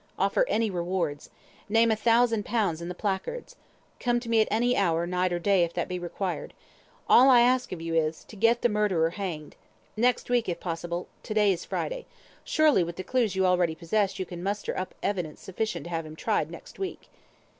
Offer any rewards. Name a thousand pounds in the placards. Come to me at any hour, night or day, if that be required. All I ask of you is, to get the murderer hanged. Next week, if possible to day is Friday. Surely, with the clues you already possess, you can muster up evidence sufficient to have him tried next week."